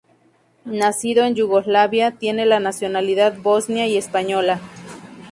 Nacido en Yugoslavia, tiene la nacionalidad bosnia y española.